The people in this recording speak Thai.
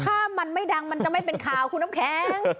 ถ้ามันไม่ดังมันจะไม่เป็นข่าวคุณน้ำแข็ง